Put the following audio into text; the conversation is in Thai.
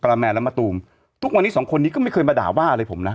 ราแมนและมะตูมทุกวันนี้สองคนนี้ก็ไม่เคยมาด่าว่าอะไรผมนะ